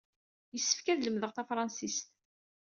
Yessefk ad lemdeɣ tafṛansist.